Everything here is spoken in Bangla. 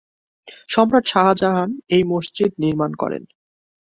সম্রাট শাহজাহান এই মসজিদ নির্মাণ করেন।